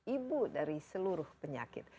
ibu dari seluruh penyakit